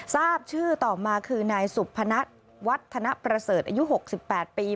ทราบชื่อต่อมาคือนายสุพนัทวัฒนประเสริฐอายุ๖๘ปี